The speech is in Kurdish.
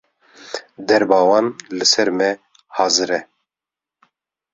Derba wan li ser me hazir e